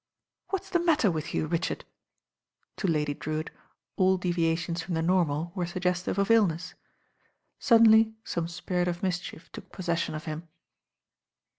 "What is the matter with you, Richard?" To Lady Drewitt, all deviations from the normal were suggestive of illness. Suddenly some spirit of mischief took possession of him.